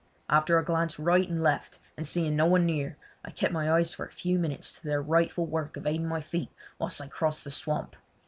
After a glance right and left and seeing no one near, I kept my eyes for a few minutes to their rightful work of aiding my feet whilst I crossed the swamp.